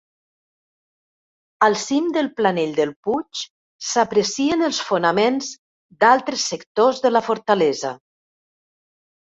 Al cim del planell del puig s'aprecien els fonaments d'altres sectors de la fortalesa.